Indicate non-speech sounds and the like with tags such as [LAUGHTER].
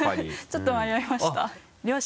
ちょっと迷いました [LAUGHS]